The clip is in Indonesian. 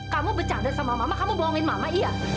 kamu bercanda sama mama kamu bohongin mama iya